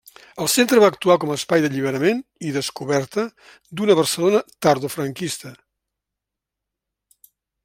El centre va actuar com espai d'alliberament i descoberta d'una Barcelona tardofranquista.